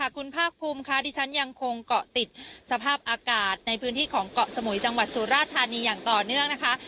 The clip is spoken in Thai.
คุณภาคภูมิค่ะที่ฉันยังคงเกาะติดสภาพอากาศในพื้นที่ของเกาะสมุยจังหวัดสุราธานีอย่างต่อเนื่องนะคะ